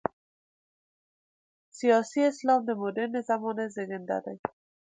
سیاسي اسلام د مډرنې زمانې زېږنده ده.